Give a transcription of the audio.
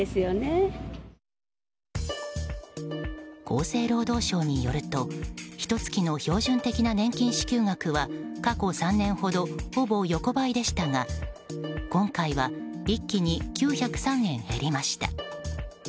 厚生労働省によるとひと月の標準的な年金支給額は過去３年ほどほぼ横ばいでしたが今回は一気に９０３円減りました。